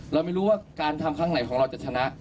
เราไม่รู้ว่าการทำครั้งไหนของเราจะชนะ